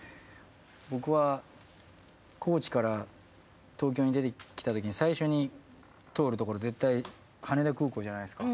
僕は高知から東京に出てきた時に最初に通るところ絶対羽田空港じゃないですか。